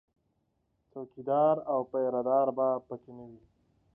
څوکیدار او پیره دار به په کې نه وي